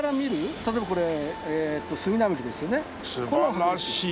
例えばこれ杉並木ですよね